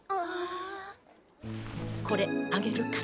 これあげるから。